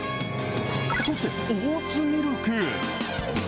そして、オーツミルク。